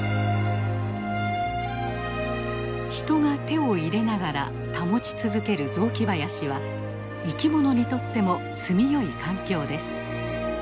人が手を入れながら保ち続ける雑木林は生きものにとってもすみよい環境です。